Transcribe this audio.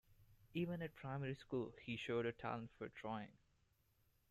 Even at primary school he showed a talent for drawing.